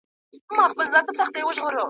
یوه ځوان وو په خپل کور کي سپی ساتلی